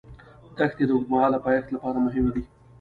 دښتې د اوږدمهاله پایښت لپاره مهمې دي.